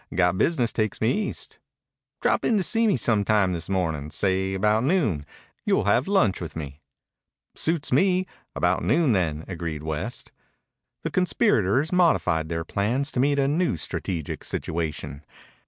Got business takes me East." "Drop in to see me some time this morning. Say about noon. You'll have lunch with me." "Suits me. About noon, then," agreed West. The conspirators modified their plans to meet a new strategic situation.